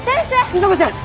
里紗子ちゃん！